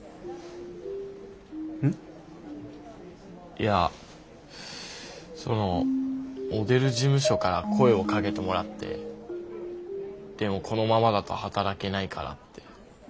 いやそのモデル事務所から声をかけてもらってでもこのままだと働けないからって。